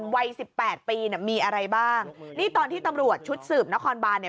วัยสิบแปดปีเนี่ยมีอะไรบ้างนี่ตอนที่ตำรวจชุดสืบนครบานเนี่ย